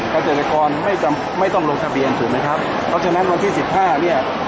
เกษตรกรไม่จำไม่ต้องลงทะเบียนถูกไหมครับเพราะฉะนั้นวันที่สิบห้าเนี่ย